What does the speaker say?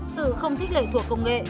sự không thích lợi thuộc công nghệ